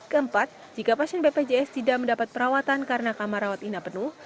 keempat jika pasien bpjs tidak mendapat perawatan karena kamar rawat inap penuh